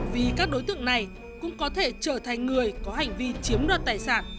vì các đối tượng này cũng có thể trở thành người có hành vi chiếm đoạt tài sản